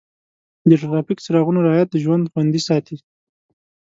د ټرافیک څراغونو رعایت د ژوند خوندي ساتي.